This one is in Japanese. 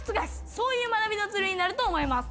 そういう学びのツールになると思います。